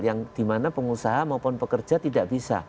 yang di mana pengusaha maupun pekerja tidak bisa